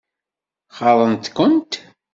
Ɣaḍent-kent?